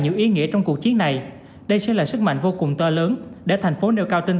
nhiều ý nghĩa trong cuộc chiến này đây sẽ là sức mạnh vô cùng to lớn để thành phố nêu cao tinh